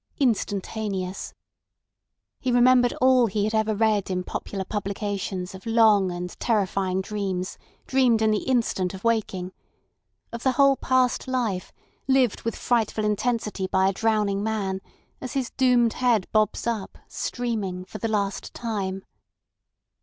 Instantaneous! He remembered all he had ever read in popular publications of long and terrifying dreams dreamed in the instant of waking; of the whole past life lived with frightful intensity by a drowning man as his doomed head bobs up, streaming, for the last time.